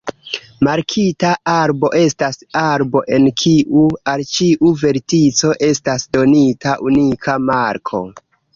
Markita arbo estas arbo en kiu al ĉiu vertico estas donita unika marko.